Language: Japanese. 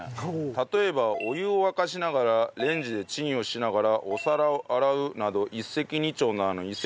例えばお湯を沸かしながらレンジでチンをしながらお皿を洗うなど一石二鳥ならぬ一石三鳥です。